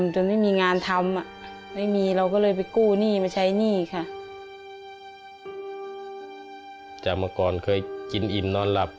เมื่อก่อนเคยกินอิ่มนอนหลับ